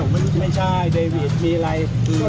ไม่ใช่ดีวิทย์มีอะไร